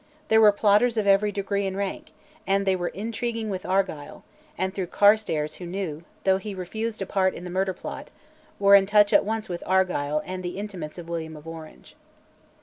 There were plotters of every degree and rank, and they were intriguing with Argyll, and, through Carstares who knew, though he refused a part in the murder plot, were in touch at once with Argyll and the intimates of William of Orange.